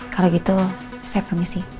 kalau gitu saya permisi